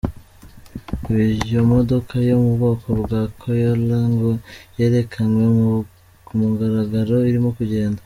Iyo modoka yo mu bwoko bwa Kayoola ngo yerekanywe ku mugaragaro irimo kugenda.